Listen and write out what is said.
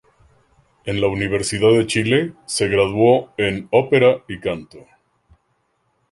En la Universidad de Chile, se graduó en ópera y canto.